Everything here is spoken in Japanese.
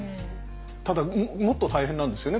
ただもっと大変なんですよね